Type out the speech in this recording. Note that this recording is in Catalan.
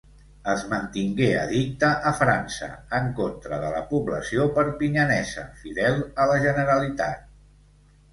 Es mantingué addicte a França, en contra de la població perpinyanesa, fidel a la generalitat.